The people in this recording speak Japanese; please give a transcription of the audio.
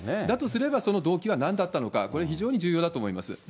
だとすれば、その動機はなんだったのか、これ非常に重要だと思います。